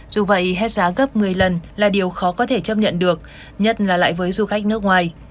dù vậy hết giá gấp một mươi lần là điều khó có thể chấp nhận được nhất là lại với du khách nước ngoài